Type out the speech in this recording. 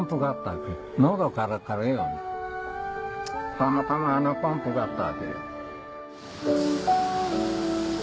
たまたまあのポンプがあったわけよ。